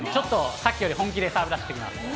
さっきより本気でサーブ出していきます。